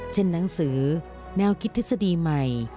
เช่นหนังสือนแนวคิดทศดีใหม่